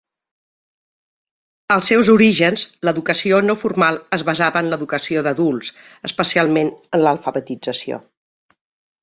Als seus orígens l'educació no formal es basava en l'educació d'adults, especialment en l'alfabetització.